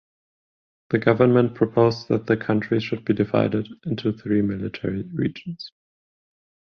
The government proposed that the country should be divided into three military regions.